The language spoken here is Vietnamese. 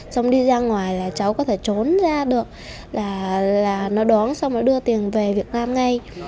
xong đi ra ngoài là cháu có thể trốn ra được là nó đón xong rồi đưa tiền về việt nam ngay